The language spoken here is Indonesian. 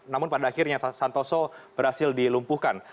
namun pada akhirnya santoso berhasil dilumpuhkan